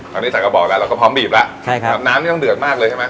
ตอนนี้ใส่กระบอกแล้วเราก็พร้อมบีบแล้วใช่ครับน้ำนี่ต้องเดือดมากเลยใช่ไหม